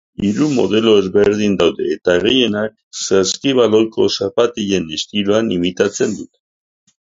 Hiru modelo ezberdin daude eta gehienek saskibaloiko zapatilen estiloan imitatzen dute.